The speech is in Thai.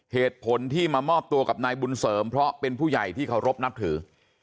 เหตุผลที่มามอบตัวกับนายบุญเสริมเพราะเป็นผู้ใหญ่ที่เคารพนับถือ